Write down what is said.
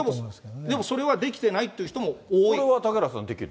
でもそれはできてないという人も多い。